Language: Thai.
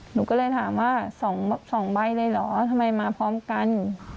หนูก็เลยถามว่า๒ใบเลยเหรอทำไมมาพร้อมกัน